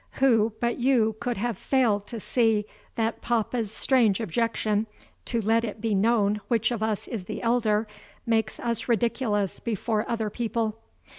Who but you could have failed to see that papa's strange objection to let it be known which of us is the elder makes us ridiculous before other people?